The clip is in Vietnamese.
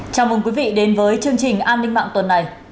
chào mừng quý vị đến với chương trình an ninh mạng tuần này